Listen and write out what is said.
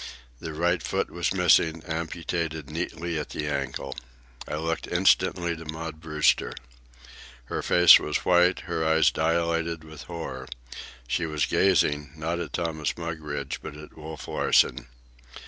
The right foot was missing, amputated neatly at the ankle. I looked instantly to Maud Brewster. Her face was white, her eyes dilated with horror. She was gazing, not at Thomas Mugridge, but at Wolf Larsen.